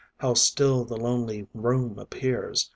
How still the lonely room appears!